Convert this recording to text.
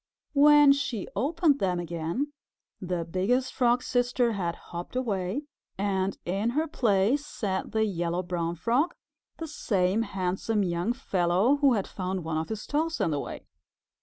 When she opened them again, the Biggest Frog's Sister had hopped away, and in her place sat the Yellow Brown Frog, the same handsome young fellow who had found one of his toes in the way.